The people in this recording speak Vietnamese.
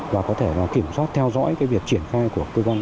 và có thể kiểm soát theo dõi việc triển khai của cơ quan